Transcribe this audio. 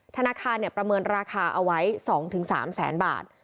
ธนาคารประเมินราคาเอาไว้๒๓แสนบาท